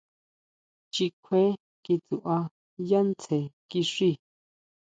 Chikjue titsuʼá yá tsjen kixí.